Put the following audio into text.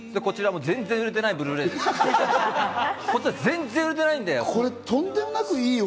こちらも全然売れてないブルーレイです。